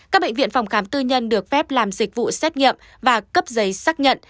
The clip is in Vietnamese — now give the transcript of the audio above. các bệnh viện phòng khám tư nhân được phép làm dịch vụ xét nghiệm và cấp giấy xác nhận